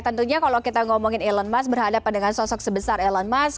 tentunya kalau kita ngomongin elon musk berhadapan dengan sosok sebesar elon musk